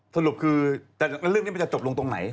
สรุปคือเรื่องนี้มันจะจบลงตรงไหน